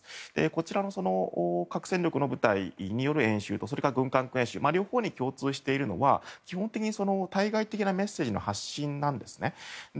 こちらの核戦力の部隊による演習と軍管区の両方に共通しているのは基本的に対外的なメッセージの発信なんです。